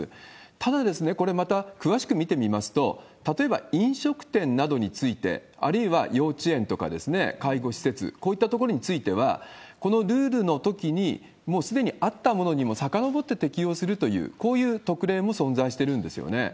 ただ、これまた詳しく見てみますと、例えば、飲食店などについて、あるいは幼稚園とか介護施設、こういった所については、このルールのときにもうすでにあったものにもさかのぼって適用するという、こういう特例も存在してるんですよね。